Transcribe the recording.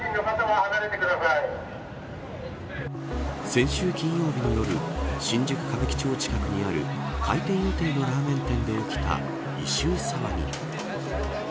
先週金曜日の夜新宿歌舞伎町近くにある開店予定のラーメン店に起きた異臭騒ぎ。